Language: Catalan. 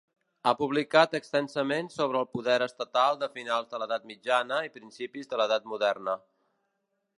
Ha publicat extensament sobre el poder estatal de finals de l'edat mitjana i principis de l'edat moderna.